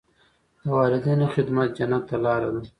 د والدینو خدمت جنت ته لاره ده.